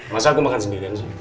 masa aku makan sendirian